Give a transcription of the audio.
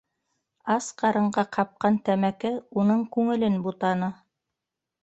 Ас ҡарынға ҡапҡан тәмәке уның күңелен бутаны.